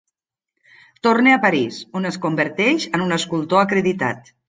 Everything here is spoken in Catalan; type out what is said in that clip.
Torna a París, on es converteix en un escultor acreditat.